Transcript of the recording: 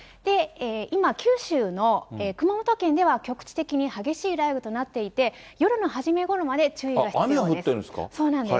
今、九州の熊本県では、局地的に激しい雷雨となっていて、夜の初めごろまで、注意が必要です。